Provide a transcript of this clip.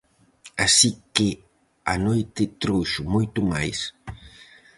Así que a noite trouxo moito máis.